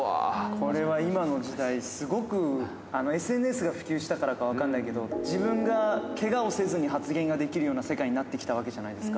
これは今の時代、すごく、ＳＮＳが普及したからか分かんないけど、自分がけがをせずに発言ができるような世界になってきたわけじゃないですか。